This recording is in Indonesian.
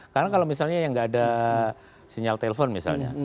karena kalau misalnya yang gak ada sinyal telepon misalnya